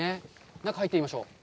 中に入ってみましょう。